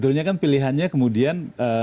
ini kan pilihannya kemudian